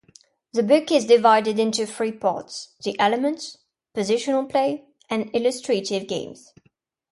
The book is divided into three parts: "The Elements", "Positional Play", and "Illustrative Games".